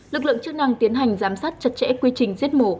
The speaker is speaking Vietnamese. lực lượng chức năng tiến hành giám sát chặt chẽ quy trình giết mổ